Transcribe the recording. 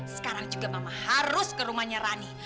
sekarang juga mama harus ke rumahnya rani